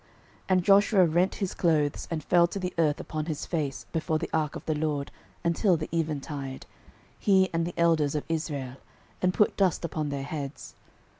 06:007:006 And Joshua rent his clothes, and fell to the earth upon his face before the ark of the LORD until the eventide, he and the elders of Israel, and put dust upon their heads.